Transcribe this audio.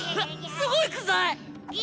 すごいくさい！